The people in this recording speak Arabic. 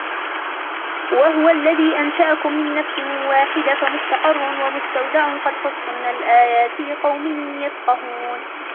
وَهُوَ الَّذِي أَنْشَأَكُمْ مِنْ نَفْسٍ وَاحِدَةٍ فَمُسْتَقَرٌّ وَمُسْتَوْدَعٌ قَدْ فَصَّلْنَا الْآيَاتِ لِقَوْمٍ يَفْقَهُونَ